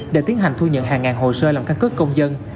để tiến hành thu nhận hàng ngàn hồ sơ làm căn cứ công dân